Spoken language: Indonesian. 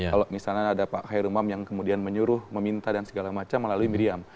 kalau misalnya ada pak hairumam yang kemudian menyuruh meminta dan segala macam melalui miriam